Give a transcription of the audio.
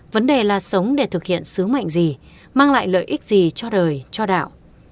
vấn đề là sống để thực hiện sứ mệnh gì mang lại lợi ích gì cho đời cho đạo